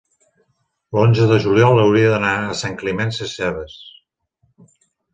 l'onze de juliol hauria d'anar a Sant Climent Sescebes.